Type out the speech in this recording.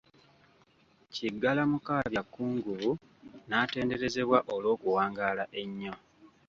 Kiggala Mukaabya Kkungubu n'atenderezebwa olw'okuwangaala ennyo.